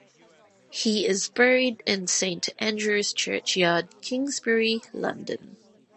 He is buried in Saint Andrew's Churchyard, Kingsbury, London.